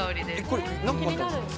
これ、何個買ったんですか？